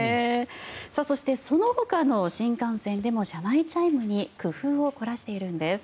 そして、そのほかの新幹線でも車内チャイムに工夫を凝らしているんです。